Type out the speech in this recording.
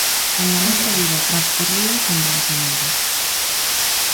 Cando a nosa vida transcorría en branco e negro.